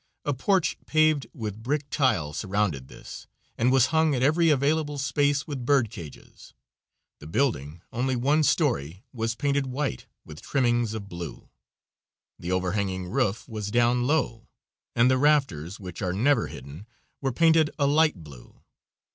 A porch paved with brick tile surrounded this, and was hung at every available space with bird cages. The building, only one story, was painted white, with trimmings of blue, The overhanging roof was down low, and the rafters, which are never hidden, were painted a light blue.